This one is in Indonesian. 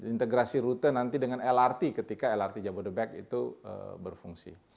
integrasi rute nanti dengan lrt ketika lrt jabodebek itu berfungsi